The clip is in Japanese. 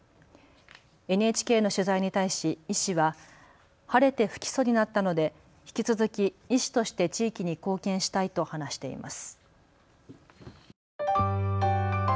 ＮＨＫの取材に対し医師は晴れて不起訴になったので引き続き医師として地域に貢献したいと話しています。